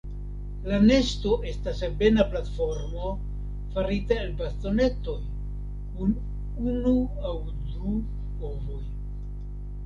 La nesto estas ebena platformo farita el bastonetoj, kun unu aŭ du ovoj.